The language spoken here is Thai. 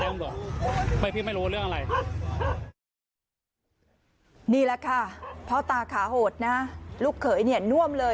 นี่แหละค่ะพ่อตาขาโหดนะลูกเขยเนี่ยน่วมเลย